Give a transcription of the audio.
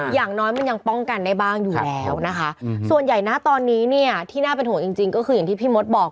อย่างน้อยมันยังป้องกันได้บ้างอยู่แล้วนะคะส่วนใหญ่นะตอนนี้เนี่ยที่น่าเป็นห่วงจริงก็คืออย่างที่พี่มดบอก